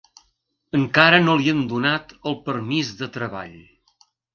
Encara no li han donat el permís de treball.